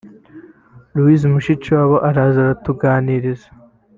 Louise Mushikiwabo araza aratuganiriza